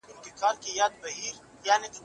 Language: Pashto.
هغوی ستاسې امیدونه وژني.